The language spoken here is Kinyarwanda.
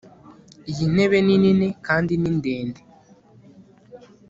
iyi ntebe ni nini kandi ni ndende